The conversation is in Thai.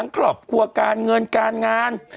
ครอบครัวการเงินการงาน